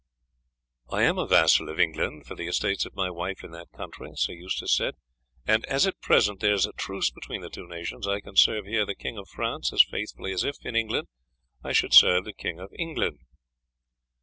"I am a vassal of England for the estates of my wife in that country," Sir Eustace said; "and as at present there is a truce between the two nations, I can serve here the King of France as faithfully as if, in England, I should serve the King of England."